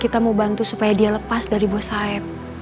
kita mau bantu supaya dia lepas dari bos sayap